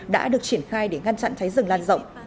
đã được triển khai để ngăn chặn cháy rừng lan rộng